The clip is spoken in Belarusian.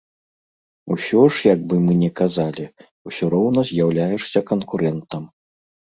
Усё ж, як бы мы не казалі, усё роўна з'яўляешся канкурэнтам.